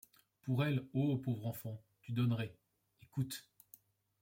Pour elle, ô pauvre enfant, tu donnerais, écoute